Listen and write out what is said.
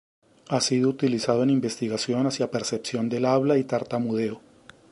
Ha sido utilizado en investigación hacia percepción del habla y tartamudeo.